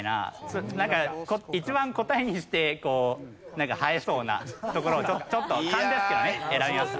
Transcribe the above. なんか一番答えにして映えそうなところをちょっと勘ですけどね選びました。